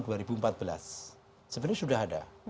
tapi dua ribu empat belas sebenarnya sudah ada